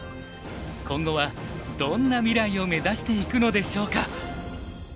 今後はどんな未来を目指していくのでしょうか。